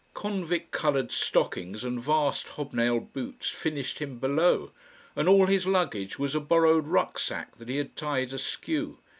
Convict coloured stockings and vast hobnail boots finished him below, and all his luggage was a borrowed rucksac that he had tied askew.